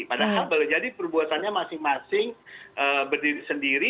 padahal berlejari perbuasannya masing masing berdiri sendiri